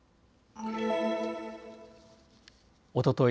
おととい